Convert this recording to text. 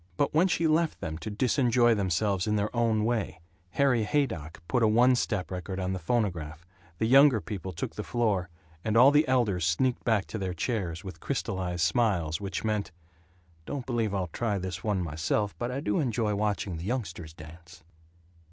But when she left them to disenjoy themselves in their own way Harry Haydock put a one step record on the phonograph, the younger people took the floor, and all the elders sneaked back to their chairs, with crystallized smiles which meant, "Don't believe I'll try this one myself, but I do enjoy watching the youngsters dance."